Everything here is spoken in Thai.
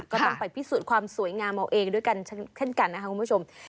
ก็ต้องไปพิสูจน์ความสวยงามเอาเองด้วยกันเช่นกันนะครับคุณผู้ชม